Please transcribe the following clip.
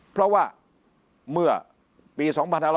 เพราะว่าเมื่อปี๒๕๕๙